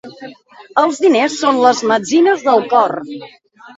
Els diners són les metzines del cor.